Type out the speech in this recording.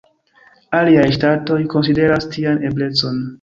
Aliaj ŝtatoj konsideras tian eblecon.